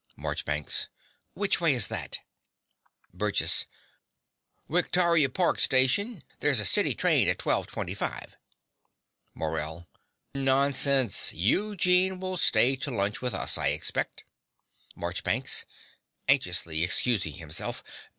MARCHBANKS. Which way is that? BURGESS. Victawriar Pork station. There's a city train at 12.25. MORELL. Nonsense. Eugene will stay to lunch with us, I expect. MARCHBANKS (anxiously excusing himself).